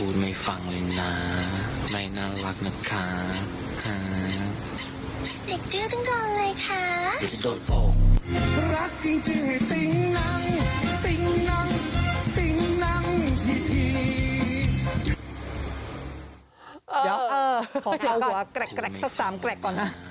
เดี๋ยวขอตาหัวกลักสัก๓กลักก่อนนะ